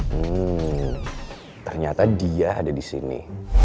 hmm ternyata dia ada di sini